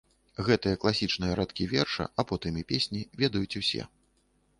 Гэтыя класічныя радкі верша, а потым і песні, ведаюць усе.